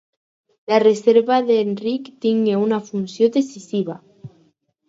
La reserva d'Enric tingué una funció decisiva.